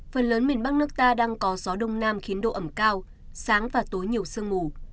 phần lớn miền bắc nước ta đang có gió đông nam khiến độ ẩm cao sáng và tối nhiều sương mù